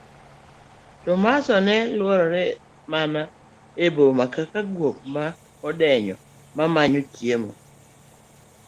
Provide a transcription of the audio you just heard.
Tomaso ne luorore mana e boma ka guok modenyo mamanyo chiemo.